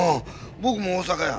僕も大阪や。